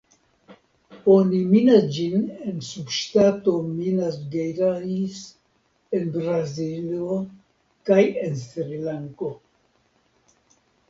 Oni minas ĝin en subŝtato Minas Gerais en Brazilo kaj en Srilanko.